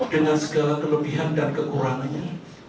dengan segala kelebihan dan kekurangannya